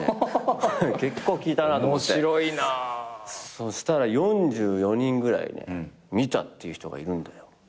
そしたら「４４人ぐらい見たっていう人がいるんだよ」